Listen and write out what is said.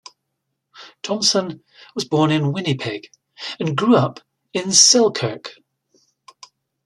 Thompson was born in Winnipeg and grew up in Selkirk.